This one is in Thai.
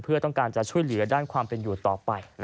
เพื่อช่วยเหลือด้านความเป็นอยู่ต่อไป